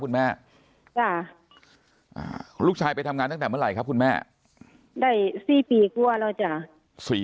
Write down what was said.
คุณแม่จ้ะลูกชายไปทำงานตั้งแต่เมื่อไหร่ครับคุณแม่ได้สี่ปีกลัวแล้วจ้ะ